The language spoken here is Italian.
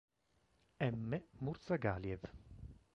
M. Murzagaliev.